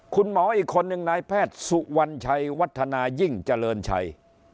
คุณหมออีกคนหนึ่งนายแพทย์สุวรรณชัยวัฒนายิ่งเจริญชัย